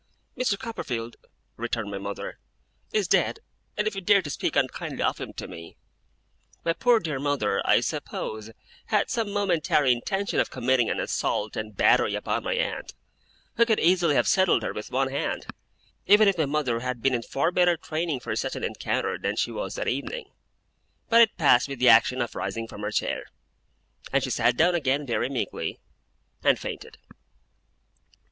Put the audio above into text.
'Mr. Copperfield,' returned my mother, 'is dead, and if you dare to speak unkindly of him to me ' My poor dear mother, I suppose, had some momentary intention of committing an assault and battery upon my aunt, who could easily have settled her with one hand, even if my mother had been in far better training for such an encounter than she was that evening. But it passed with the action of rising from her chair; and she sat down again very meekly, and fainted.